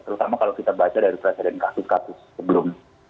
terutama kalau kita baca dari presiden kasus kasus sebelum